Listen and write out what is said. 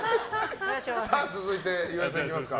続いて、岩井さんいきますか。